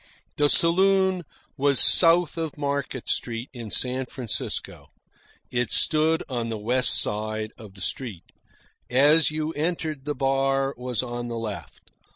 The saloon was south of Market Street in San Francisco. It stood on the west side of the street. As you entered, the bar was on the left.